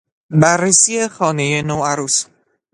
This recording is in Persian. بررسی خانه ی نوعروس